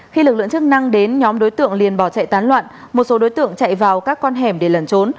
khi lực lượng chức năng đến nhóm đối tượng liền bỏ chạy tán loạn một số đối tượng chạy vào các con hẻm để lẩn trốn